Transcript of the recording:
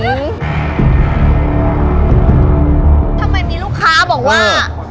ทำไมมีลูกค้าบอกว่า